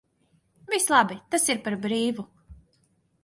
Viss labi, tas ir par brīvu.